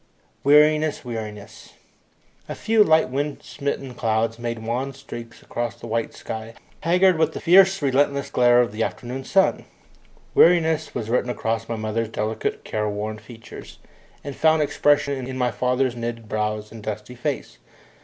Weariness! Weariness! A few light wind smitten clouds made wan streaks across the white sky, haggard with the fierce relentless glare of the afternoon sun. Weariness was written across my mother's delicate careworn features, and found expression in my father's knitted brows and dusty face.